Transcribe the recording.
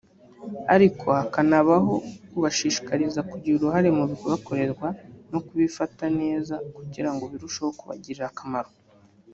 ariko hakanabaho kubashishikariza kugira uruhare mu bibakorerwa no kubifata neza kugira ngo birusheho kubagirira akamaro